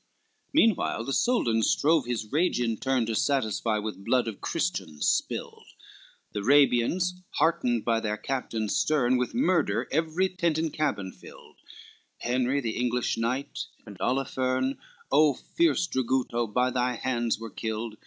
XL Meanwhile the Soldan strove his rage To satisfy with blood of Christian spilled, The Arabians heartened by their captain stern, With murder every tent and cabin filled, Henry the English knight, and Olipherne, O fierce Draguto, by thy hands were killed!